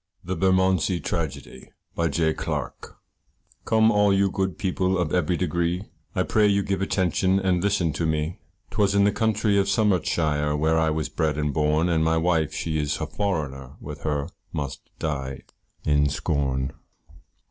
THE BERMONDSEY TRAGEDY. BY J. CLARKE. Come all you good people of every degree, I pray you give attention and listen to me, 'Twas in the county of Somersetshire where I was bred and born, And my wife she is a foreigner, with her must die in scorn.